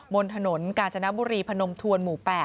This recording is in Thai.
บนถนนกาญจนบุรีพนมทวนหมู่๘